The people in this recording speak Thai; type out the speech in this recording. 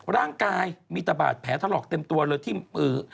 ร่างกายมีแต่บาดแผลถลอกเต็มตัวเลยที่เอ่อ